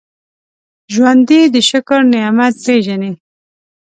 ژوندي د شکر نعمت پېژني